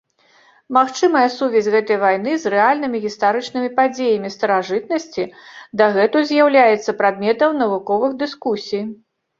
Магчымая сувязь гэтай вайны з рэальнымі гістарычнымі падзеямі старажытнасці дагэтуль з'яўляецца прадметам навуковых дыскусій.